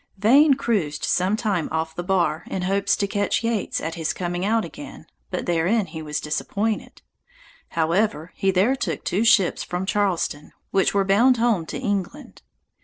Vane cruised some time off the bar, in hopes to catch Yeates at his coming out again, but therein he was disappointed; however, he there took two ships from Charleston, which were bound home to England.